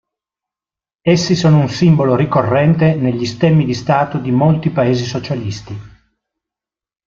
Essi sono un simbolo ricorrente negli stemmi di Stato di molti paesi socialisti.